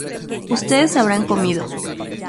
Ustedes habrán comido